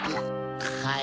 はい。